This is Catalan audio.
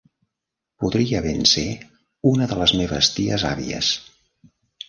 Podria ben ser una de les meves ties àvies.